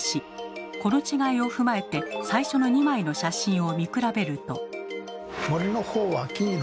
この違いを踏まえて最初の２枚の写真を見比べると。